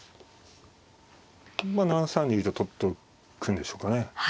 まあ７三竜と取っとくんでしょうかね。